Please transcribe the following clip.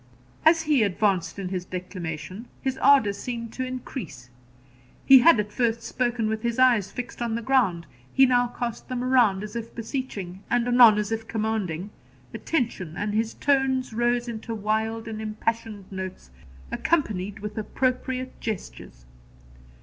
As he advanced in his declamation, his ardour seemed to increase. He had at first spoken with his eyes fixed on the ground; he now cast them around as if beseeching, and anon as if commanding, attention, and his tones rose into wild and impassioned notes, accompanied with appropriate gestures.